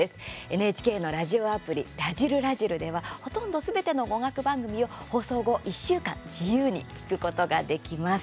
ＮＨＫのラジオアプリ「らじる★らじる」ではほとんどすべての語学番組を放送後１週間自由に聞くことができます。